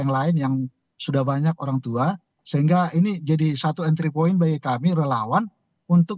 yang lain yang sudah banyak orang tua sehingga ini jadi satu entry point bagi kami relawan untuk